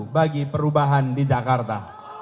bagi perubahan di jakarta